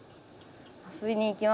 遊びに行きます！